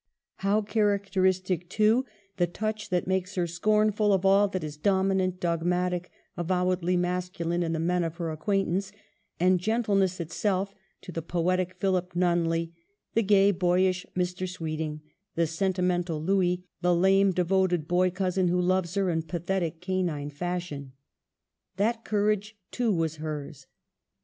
How characteristic, too, the touch that makes her scornful of all that is dominant, dogmatic, avowedly masculine in the men of her acquaint ance ; and gentleness itself to the poetic Philip Nunnely, the gay, boyish Mr. Sweeting, the sen timental Louis, the lame, devoted boy cousin who loves her in pathetic canine fashion. That courage, too, was hers.